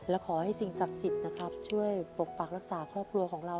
และขอให้สิ่งศักดิ์สิทธิ์นะครับช่วยปกปักรักษาครอบครัวของเรา